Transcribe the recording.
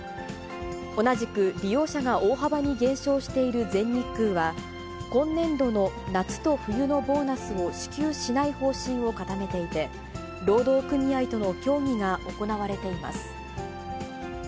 同じく、利用者が大幅に減少している全日空は、今年度の夏と冬のボーナスを支給しない方針を固めていて、労働組合との協議が行われています。